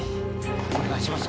お願いします。